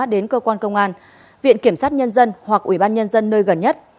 đến cơ quan công an viện kiểm sát nhân dân hoặc ủy ban nhân dân nơi gần nhất